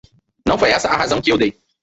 Não foi essa a razão que eu dei.